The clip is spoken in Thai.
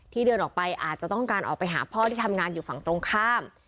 เดินออกไปอาจจะต้องการออกไปหาพ่อที่ทำงานอยู่ฝั่งตรงข้าม